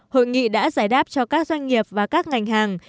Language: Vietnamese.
hội nghị đã giải đáp cho các doanh nghiệp và các ngành hàng